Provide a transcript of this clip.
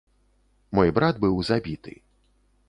Мой брат быў забіты.